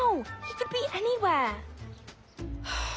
はあ。